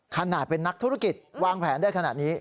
ขนาดเป็นนักธุรกิจวางแผนได้ขนาดนี้